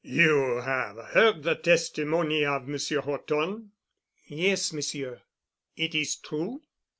"You have heard the testimony of Monsieur Horton?" "Yes, Monsieur." "It is true?"